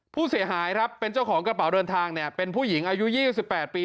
ผู้เสียหายครับเป็นเจ้าของกระเป๋าเดินทางเนี่ยเป็นผู้หญิงอายุ๒๘ปี